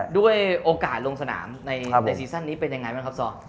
ด้วยโอกาสลงสนามในในซีสันนี้เป็นอย่างไรครับพี่โอ้ย